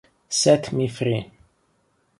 Set Me Free